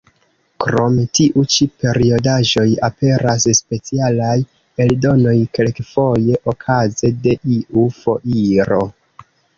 Krom tiu ĉi periodaĵoj, aperas specialaj eldonoj, kelkfoje okaze de iu foiro.